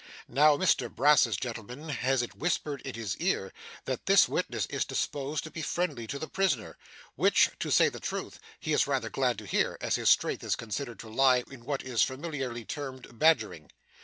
Now, Mr Brass's gentleman has it whispered in his ear that this witness is disposed to be friendly to the prisoner which, to say the truth, he is rather glad to hear, as his strength is considered to lie in what is familiarly termed badgering.